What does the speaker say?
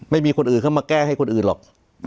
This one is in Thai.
ไม่มีคนอื่นเข้ามาแก้ให้คนอื่นหรอก